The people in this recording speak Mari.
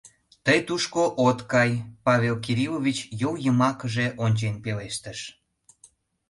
— Тый тушко от кай, — Павел Кириллович йол йымакыже ончен пелештыш.